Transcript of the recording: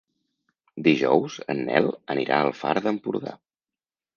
Dijous en Nel anirà al Far d'Empordà.